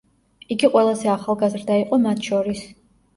იგი ყველაზე ახალგაზრდა იყო მათ შორის.